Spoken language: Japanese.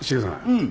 うん。